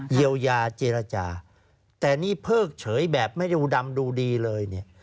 เยียวยาเจรจาแต่นี่เพิกเฉยแบบไม่ดูดำดูดีเลยเนี่ย